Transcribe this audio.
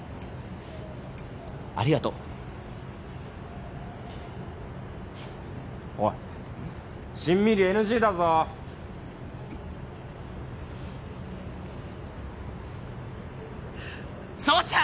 ありがとうおいしんみりＮＧだぞ蒼ちゃん！